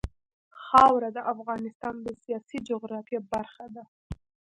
خاوره د افغانستان د سیاسي جغرافیه برخه ده.